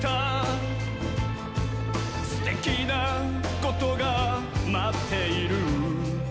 「すてきなことがまっている」